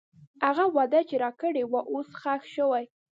هغه وعده چې راکړې وه، اوس ښخ شوې.